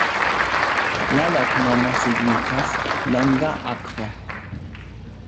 La loknomo signifas: longa-akvo.